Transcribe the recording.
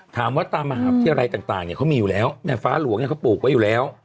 ถามว่าตามมหาภาพที่อะไรต่างเขามีอยู่แล้วแม่ฟ้าหลวงเขาปลูกไว้อยู่แล้ว